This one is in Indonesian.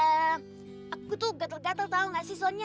aku tuh gatel gatel tau nggak sih soalnya